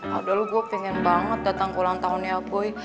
aduh gue pengen banget dateng ke ulang tahunnya boy